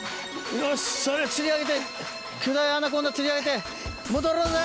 よしそれ釣り上げて巨大アナコンダ釣り上げて戻ろうぜ！